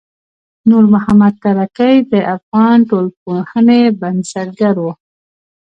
نورمحمد ترکی د افغان ټولنپوهنې بنسټګر و.